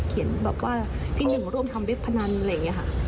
แบบว่าพี่หนึ่งร่วมทำเว็บพนันอะไรอย่างนี้ค่ะ